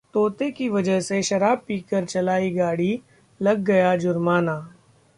तोते की वजह से शराब पीकर चलाई गाड़ी, लग गया जुर्माना